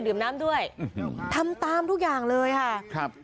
ดื่มน้ำด้วยอื้อฮือทำตามทุกอย่างเลยค่ะครับ